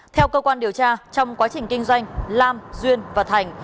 theo cơ quan điều tra trong quá trình kinh doanh lam duyên và thành